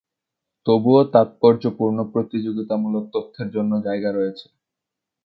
তবুও তাৎপর্যপূর্ণ প্রতিযোগিতামূলক তত্ত্বের জন্য জায়গা রয়েছে।